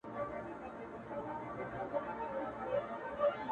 په دوو روحونو، يو وجود کي شر نه دی په کار،